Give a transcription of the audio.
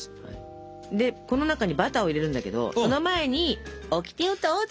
この中にバターを入れるんだけどその前にオキテをどうぞ。